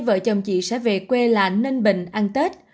vợ chồng chị sẽ về quê lạ ninh bình ăn tết